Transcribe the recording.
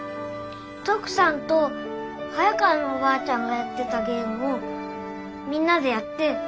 トクさんと早川のおばあちゃんがやってたゲームをみんなでやって。